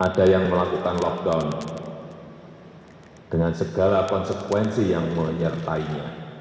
ada yang melakukan lockdown dengan segala konsekuensi yang menyertainya